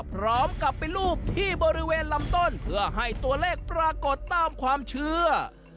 พร้อมกับไปรูปที่บริเวณลำต้นเพื่อให้ตัวเลขปรากฏตามความเชื่อ